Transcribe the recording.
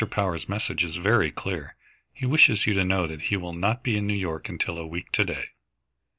Power's message is very clear. He wishes you to know that he will not be in New York until a week to day."